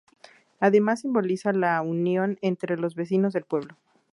Además simboliza la unión entre los vecinos del pueblo.